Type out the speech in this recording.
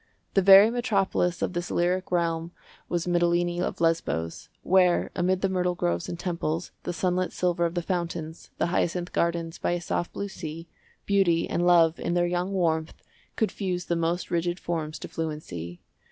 The very metropolis of this lyric realm was Mitylene of Lesbos, where, amid the myrtle groves and temples, the sunlit silver of the fountains, the hyacinth gardens by a soft blue sea, Beauty and Love in their young warmth could fuse the most rigid forms to fluency.